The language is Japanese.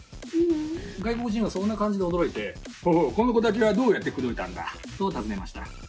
外国人もそんな感じで驚いてこの子たちは、どうやって口説いたんだと尋ねました。